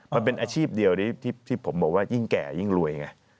มันเป็นอาชีพเดียวที่ผมบอกว่ายิ่งแก่ยิ่งรวยไง